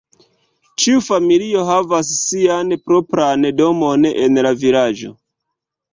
Ĉiu familio havas sian propran domon en la vilaĝo.